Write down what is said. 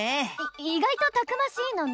い意外とたくましいのね。